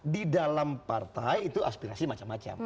di dalam partai itu aspirasi macam macam